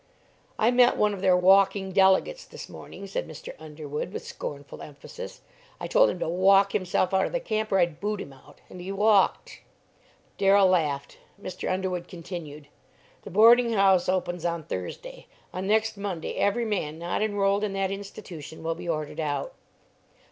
"I met one of their 'walking delegates' this morning," said Mr. Underwood, with scornful emphasis; "I told him to 'walk' himself out of the camp or I'd boot him out; and he walked!" Darrell laughed. Mr. Underwood continued: "The boarding house opens on Thursday; on next Monday every man not enrolled in that institution will be ordered out."